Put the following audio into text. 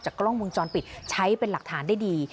กล้องวงจรปิดใช้เป็นหลักฐานได้ดี